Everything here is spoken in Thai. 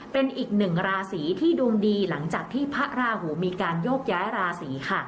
เป็นอีกหนึ่งราศีที่ดวงดีหลังจากที่พระราหูมีการโยกย้ายราศีค่ะ